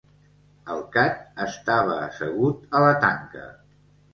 El cat estava assegut a la tanca.